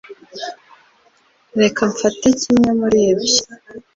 Reka mfate kimwe muri ibyo